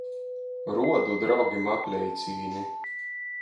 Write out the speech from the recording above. Ruodu draugim apleicīni.